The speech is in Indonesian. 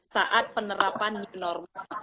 saat penerapan new normal